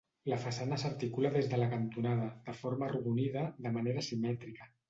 La façana s'articula des de la cantonada, de forma arrodonida, de manera simètrica.